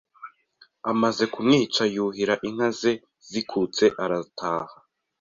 Amaze kumwica yuhira inka ze zikutse arataha